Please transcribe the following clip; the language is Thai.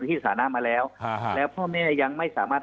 ในที่สามารถมาแล้วอ่าค่ะแล้วพ่อแม่ยังไม่สามารถ